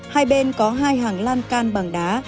hai bên có hai hàng lan can bằng đá